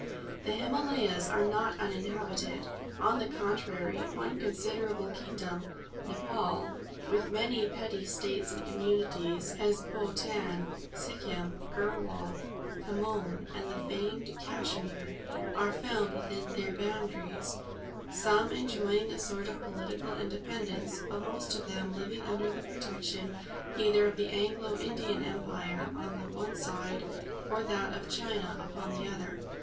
The Himalayas are not uninhabited. On the contrary, one considerable kingdom (Nepaul), with many petty states and communities (as Bhotan, Sikhim, Gurwhal, Kumaon, and the famed Cashmere), are found within their boundaries some enjoying a sort of political independence, but most of them living under the protection either of the Anglo Indian empire, on the one side, or that of China upon the other.